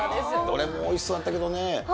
どれもおいしそうだったけどね。